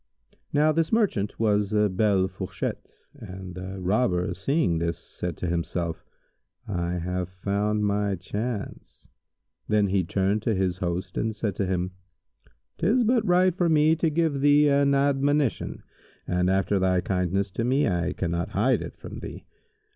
Now this merchant was a belle fourchette, and the Robber seeing this, said to himself, "I have found my chance." Then he turned to his host and said to him, "'Tis but right for me to give thee an admonition, and after thy kindness to me, I cannot hide it from thee.